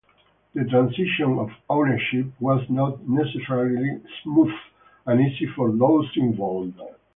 The transition of ownership was not necessarily smooth and easy for those involved.